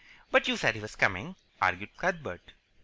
"But you said he was coming," argued Cuthbert.